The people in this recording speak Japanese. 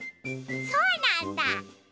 そうなんだ！